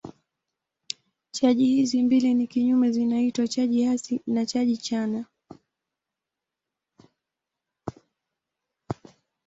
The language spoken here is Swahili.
Chaji hizi mbili ni kinyume zinaitwa chaji hasi na chaji chanya.